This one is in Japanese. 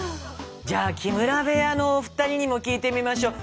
じゃ木村部屋のお二人にも聞いてみましょう。